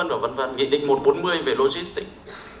nghị định một trăm bốn mươi về logistics